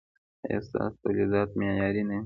ایا ستاسو تولیدات معیاري نه دي؟